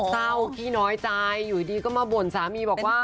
เศร้าขี้น้อยใจอยู่ดีก็มาบ่นสามีบอกว่า